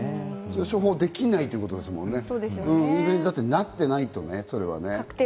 処方できないということですもんね、インフルエンザってなってないと。